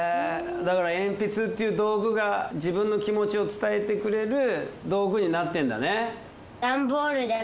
だからえんぴつっていう道具が自分の気持ちを伝えてくれる道具になってるんだね。